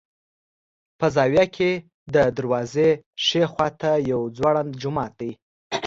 په زاویه کې د دروازې ښي خوا ته یو ځوړند جومات دی.